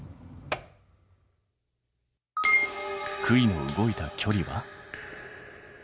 杭の動いた距離は？